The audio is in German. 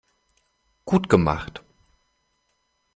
Gut gemacht.